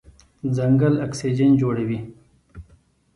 ځنګل اکسیجن جوړوي.